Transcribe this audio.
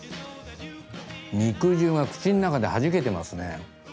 肉汁が口の中ではじけてますね。